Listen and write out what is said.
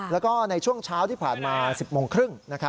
แล้วก็ในช่วงเช้าที่ผ่านมา๑๐โมงครึ่ง